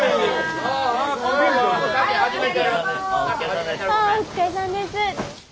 ああお疲れさんです。